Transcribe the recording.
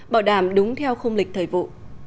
bảo đảm đúng theo không lịch thời vụ